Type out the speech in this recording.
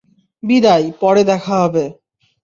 বিদায়, পরে দেখা হবে!